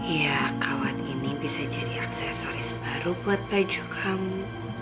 ya kawat ini bisa jadi aksesoris baru buat baju kamu